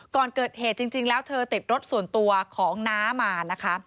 ก่อนเกิดเหตุจริงแล้วเธอติดรถส่วนตัวของน้ามานะคะ